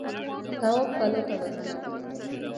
تواب کلا ته ور ننوت.